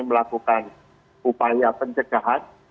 melakukan upaya pencegahan